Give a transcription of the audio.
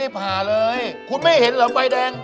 อ๋อเธอยุบปู้นอยู่แล้วทั้งเดี๋ยวก็ถึง